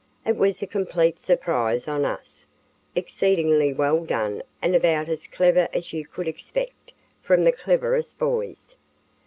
It was a complete surprise on us, exceedingly well done and about as clever as you could expect from the cleverest boys.